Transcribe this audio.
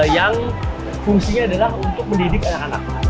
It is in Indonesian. yang fungsinya adalah untuk mendidik anak anak